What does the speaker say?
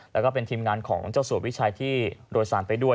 แล้วก็เป็นทีมงานของเจ้าสัววิชัยที่โดยสารไปด้วย